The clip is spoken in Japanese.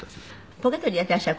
ポケットに入れていらっしゃる